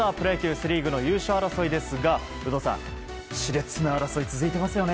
セ・リーグの優勝争いですが有働さん、し烈な争いが続いていますね。